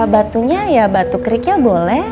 batunya ya batu keriknya boleh